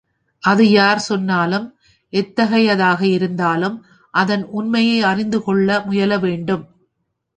அது யார் சொன்னாலும் எத்தகையதாக இருந்தாலும் அதன் உண்மையை அறிந்துகொள்ள முயலவேண்டும்.